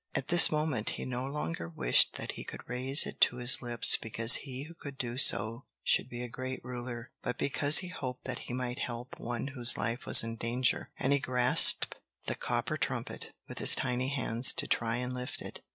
At this moment he no longer wished that he could raise it to his lips because he who could do so should be a great ruler, but because he hoped that he might help one whose life was in danger. And he grasped the copper trumpet with his tiny hands, to try and lift it.